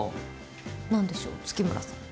何でしょう月村さん。